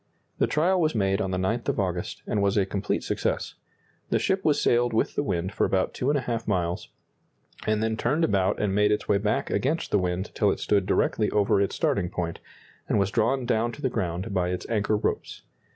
The trial was made on the 9th of August, and was a complete success. The ship was sailed with the wind for about 2½ miles, and then turned about and made its way back against the wind till it stood directly over its starting point, and was drawn down to the ground by its anchor ropes.